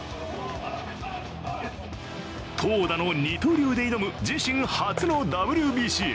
投打の二刀流で挑む自身初のＷＢＣ。